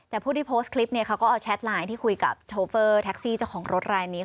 แต่ผู้ที่โพสต์คลิปเนี่ยเขาก็เอาแชทไลน์ที่คุยกับโชเฟอร์แท็กซี่เจ้าของรถรายนี้